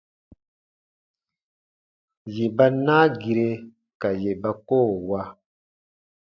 Yè ba naa gire ka yè ba koo wa.